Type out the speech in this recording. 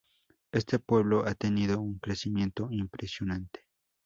Este pueblo ha tenido un crecimiento impresionante.